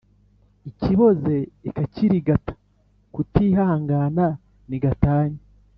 ikiboze ikakirigata kutihangana ni gatanya